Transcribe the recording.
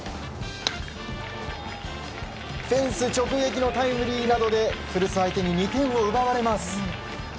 フェンス直撃のタイムリーなどで古巣相手に２点を奪われます。